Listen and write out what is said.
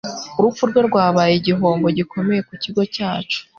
Urupfu rwe rwabaye igihombo gikomeye ku kigo cyacu.